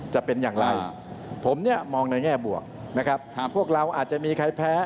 จะเป็นอย่างไรผมเนี่ยมองในแง่บวกนะครับพวกเราอาจจะมีใครแพ้